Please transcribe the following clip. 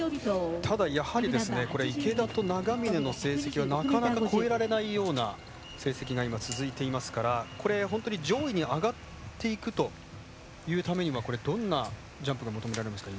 ただ、やはり池田と永峯の成績はなかなか超えられないような成績が今続いていますから本当に上位に上がっていくというためにはどんなジャンプが求められますか？